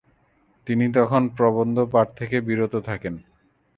তিনি তখন প্রবন্ধ পাঠ থেকে বিরত থাকেন।